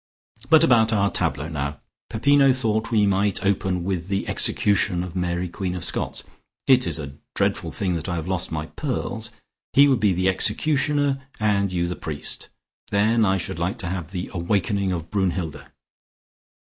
But about our tableaux now. Peppino thought we might open with the Execution of Mary Queen of Scots. It is a dreadful thing that I have lost my pearls. He would be the executioner and you the priest. Then I should like to have the awakening of Brunnhilde."